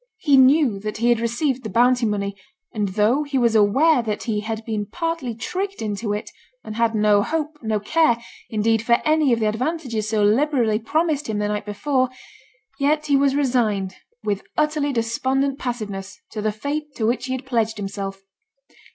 He knew that he had received the bounty money; and though he was aware that he had been partly tricked into it, and had no hope, no care, indeed, for any of the advantages so liberally promised him the night before, yet he was resigned, with utterly despondent passiveness, to the fate to which he had pledged himself.